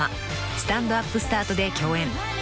『スタンドＵＰスタート』で共演］